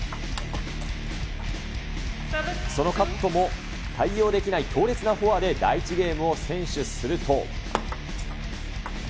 そのカットも対応できない強烈なフォアで第１ゲームを先取すると。